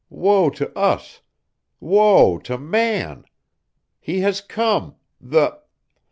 Woe to us! Woe to man! He has come, the